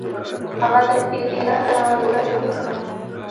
هغه د ایران ملي شورا جوړولو هڅه کړې.